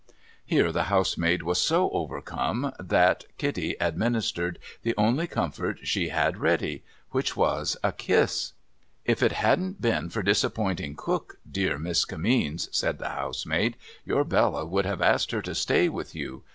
Here the housemaid was so overcome that Kitty administered the only comfort she had ready : which was a kiss. ' If it hadn't been for disappointing Cook, dear Miss Kimmeens,' said the housemaid, ' your Bella would have asked her to stay with you.